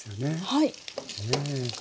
はい。